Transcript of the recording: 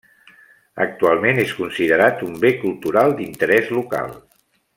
Actualment és considerat un bé cultural d'interès local.